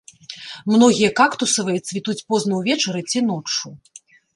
Многія кактусавыя цвітуць позна ўвечары ці ноччу.